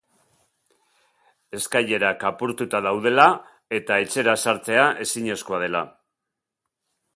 Eskailerak apurtuta daudela, eta etxera sartzea ezinezkoa dela.